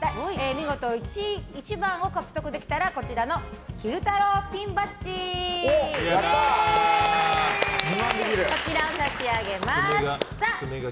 見事１番を獲得できたらこちらの昼太郎ピンバッジを差し上げます。